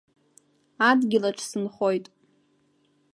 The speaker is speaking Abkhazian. Адгьылаҿ сынхоит.